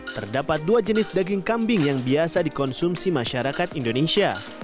terdapat dua jenis daging kambing yang biasa dikonsumsi masyarakat indonesia